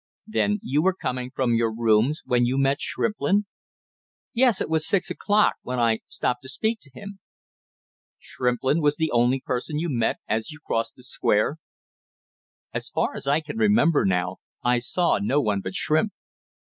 "Then you were coming from your rooms when you met Shrimplin?" "Yes, it was just six o'clock when I stopped to speak to him." "Shrimplin was the only person you met as you crossed the Square?" "As far as I can remember now, I saw no one but Shrimp."